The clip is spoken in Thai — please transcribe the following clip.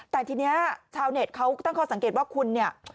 แต่ทีนี้ชาวเน็ตเขาตั้งข้อสังเกตว่าคุณเนี่ย